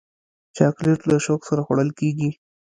چاکلېټ له شوق سره خوړل کېږي.